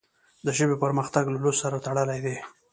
د ژبې پرمختګ له لوست سره تړلی دی.